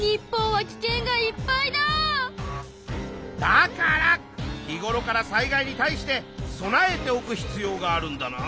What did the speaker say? だから日ごろから災害に対して備えておく必要があるんだな。